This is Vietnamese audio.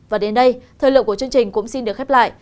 và đến đây thời lượng của chương trình cũng xin được khép lại